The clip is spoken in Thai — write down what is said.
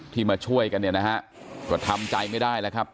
มาช่วยกันเนี่ยนะฮะก็ทำใจไม่ได้แล้วครับ